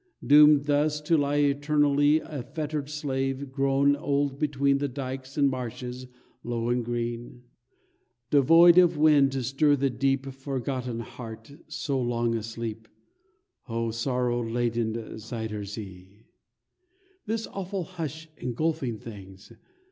Doomed thus to lie eternally A fettered slave, grown old between The dykes and marshes low and green, Devoid of wind to stir the deep Forgotten heart, so long asleep, Oh! sorrow ladened Zuyder Zee! This awful hush engulfing things!